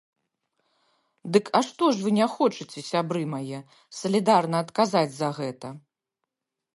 Дык а што ж вы не хочаце, сябры мае, салідарна адказаць за гэта?